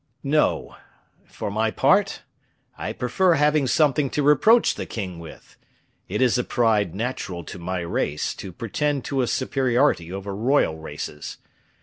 "No; for my part I prefer having something to reproach the king with; it is a pride natural to my race to pretend to a superiority over royal races.